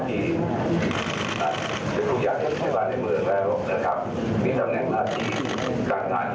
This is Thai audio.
ที่จะทุกอย่างให้มาในเมืองแล้วนะครับ